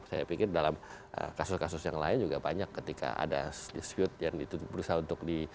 saya pikir dalam kasus kasus yang lain juga banyak ketika ada dispute yang berusaha untuk di